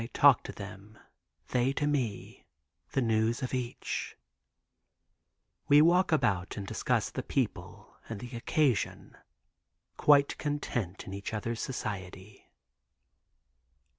I talk to them; they to me, the news of each. We walk about and discuss the people and the occasion, quite content in each other's society.